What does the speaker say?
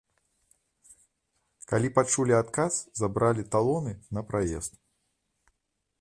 Калі пачулі адказ, забралі талоны на праезд.